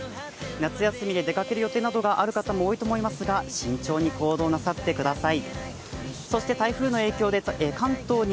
夏休みで出かける予定などがある方も多いと思いますが慎重に行動なさってください。